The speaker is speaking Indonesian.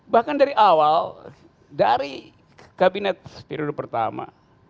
bahkan dari awal dari kabinet periode pertama